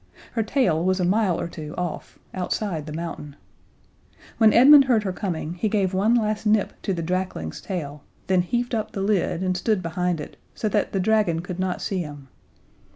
Her tail was a mile or two off outside the mountain. When Edmund heard her coming he gave one last nip to the drakling's tail, and then heaved up the lid and stood behind it, so that the dragon could not see him.